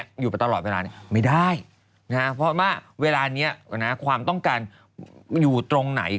อยู่ไปตลอดเวลาเนี่ยไม่ได้นะฮะเพราะว่าเวลานี้ความต้องการอยู่ตรงไหน